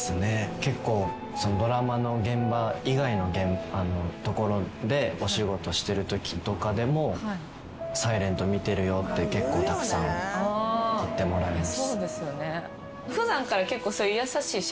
結構ドラマの現場以外のところでお仕事してるときとかでも『ｓｉｌｅｎｔ』見てるよって結構たくさん言ってもらえます。